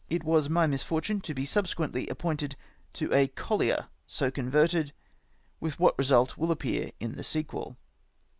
It was my misfortune to be subsequently appointed to a collier so converted — with what result will appear in the sequel.